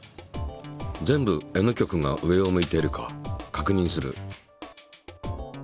全部Ｎ極が上を向いているか確認する。